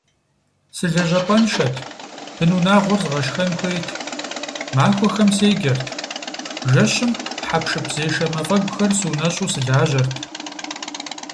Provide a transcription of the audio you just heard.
Сылэжьапӏэншэт, бынунагъуэр згъашхэн хуейт, махуэхэм седжэрт, жэщым хьэпшыпзешэ мафӏэгухэр сыунэщӏу сылажьэрт.